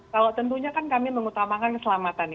kalau tentunya kan kami mengutamakan keselamatan